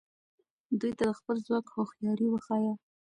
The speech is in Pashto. دوی ته د خپل ځواک هوښیاري وښایه.